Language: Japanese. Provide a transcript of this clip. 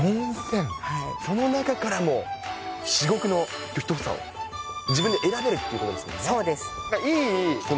その中からも珠玉の１房を自分で選べるっていうことですもんね。